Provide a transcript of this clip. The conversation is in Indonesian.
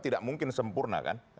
tidak mungkin sempurna kan